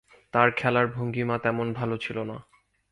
তার খেলার ভঙ্গীমা তেমন ভালো ছিল না।